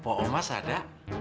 pak omas ada